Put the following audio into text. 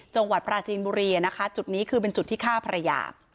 จังหวัดปราจีนบุรีนะคะจุดนี้คือเป็นจุดที่ฆ่าภรรยา